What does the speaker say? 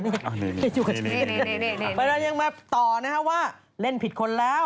มันเราก็ยังต่อว่าเล่นผิดคนแล้ว